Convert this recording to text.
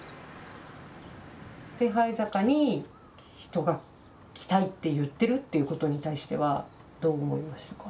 手這坂に人が来たいって言ってるっていうことに対してはどう思いましたか？